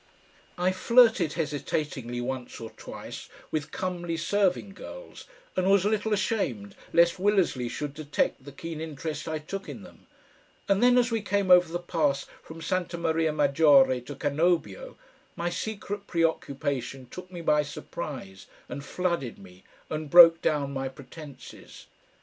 I flirted hesitatingly once or twice with comely serving girls, and was a little ashamed lest Willersley should detect the keen interest I took in them, and then as we came over the pass from Santa Maria Maggiore to Cannobio, my secret preoccupation took me by surprise and flooded me and broke down my pretences.